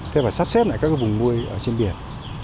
thế và sắp xếp lại các vùng nuôi trên biển